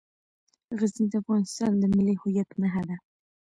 غزني د افغانستان د ملي هویت نښه ده.